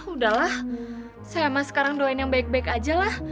udahlah saya mah sekarang doain yang baik baik ajalah